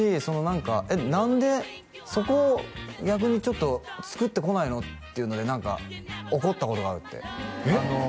その何か何でそこ逆にちょっとつくってこないの？っていうので何か怒ったことがあるってえっ？